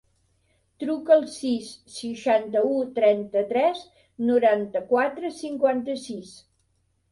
Truca al sis, seixanta-u, trenta-tres, noranta-quatre, cinquanta-sis.